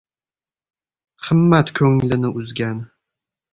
Himmat ko‘nglini uzgan.